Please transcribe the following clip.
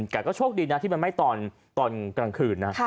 แต่ก็โชคดีนะที่มันไม่ตอนกลางคืนนะ